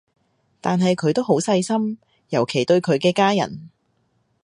但係佢都好細心，尤其對佢嘅家人